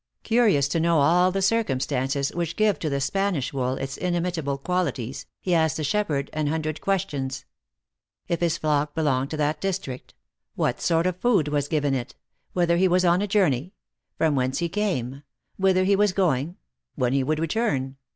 Curious to know all the circumstances which give to the Spanish wool its inimitable qualities, he asked the shepherd an hundred questions : If his flock belonged to that district ? "What sort of food was given it ? Whether he was on a journey ? From whence he came ? Whi ther he was going ? When he would return